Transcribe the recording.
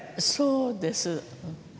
そうです。